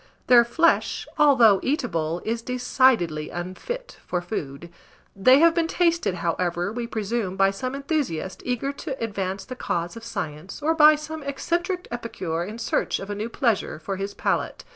Their flesh, although eatable, is decidedly unfit for food; they have been tasted, however, we presume by some enthusiast eager to advance the cause of science, or by some eccentric epicure in search of a new pleasure for his palate.